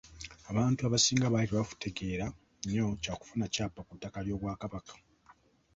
Abantu abasinga baali tebategeera nnyo bya kufuna kyapa ku ttaka ly’Obwakabaka.